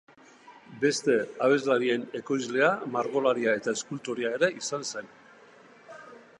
Beste abeslarien ekoizlea, margolaria eta eskultorea ere izan zen.